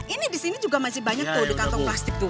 ini disini juga masih banyak tuh di kantong plastik tuh